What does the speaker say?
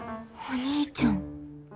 お兄ちゃん。